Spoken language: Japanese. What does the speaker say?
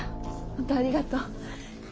本当ありがとう。